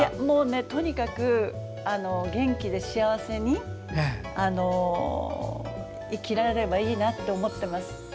とにかく元気で幸せに生きられればいいなと思っております。